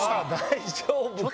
大丈夫か？